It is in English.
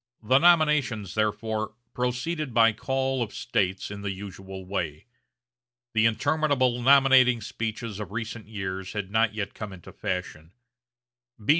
The nominations, therefore, proceeded by call of States in the usual way. The interminable nominating speeches of recent years had not yet come into fashion.